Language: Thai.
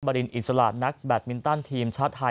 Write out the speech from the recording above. รินอิสระนักแบตมินตันทีมชาติไทย